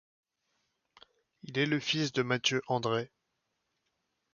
Il est le fils de Mathieu André.